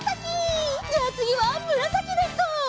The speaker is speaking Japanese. じゃあつぎはむらさきでいこう！